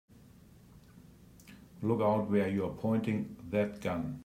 Look out where you're pointing that gun!